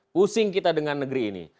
pusing kita dengan negeri ini